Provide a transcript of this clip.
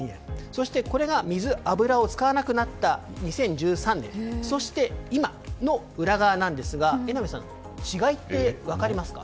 そして、水や油を使わなくなった２０１３年そして今の裏側なんですが榎並さん違いって分かりますか？